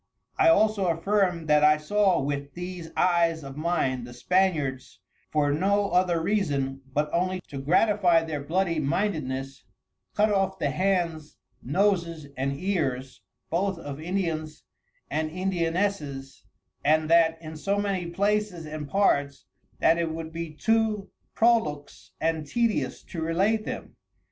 I also affirm that I saw with these Eyes of mine the Spaniards for no other reason, but only to gratifie their bloody mindedness, cut off the Hands, Noses, and Ears, both of Indians and Indianesses, and that in so many places and parts, that it would be too prolix and tedious to relate them.